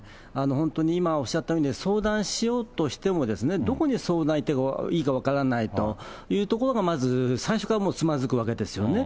本当に今、おっしゃったみたいに、相談しようとしても、どこに相談行っていいか分からないという、まず最初からつまずくわけですよね。